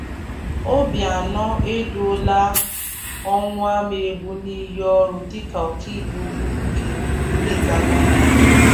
Obianọ Eduola Ọnwụamaegbu n'Iyi Ọrụ Dịka Ọka Ikpe Ukwu Steeti Anambra